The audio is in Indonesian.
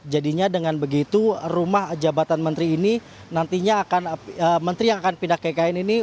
jadinya dengan begitu rumah jabatan menteri ini nantinya akan menteri yang akan pindah ke ikn ini